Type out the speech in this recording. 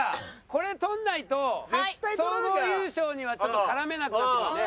これ取らないと総合優勝にはちょっと絡めなくなってくるね。